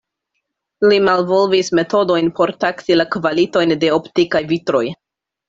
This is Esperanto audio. Li malvolvis metodojn por taksi la kvalitojn de optikaj vitroj.